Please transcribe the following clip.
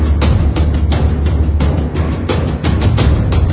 แล้วก็พอเล่ากับเขาก็คอยจับอย่างนี้ครับ